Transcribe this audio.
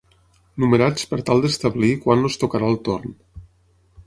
Numerats per tal d'establir quan els tocarà el torn.